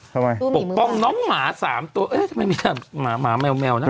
ทำไมปกป้องน้องหมาสามตัวเอ๊ะทำไมมีทางหมาแมวนะ